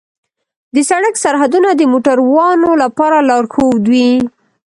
د سړک سرحدونه د موټروانو لپاره لارښود وي.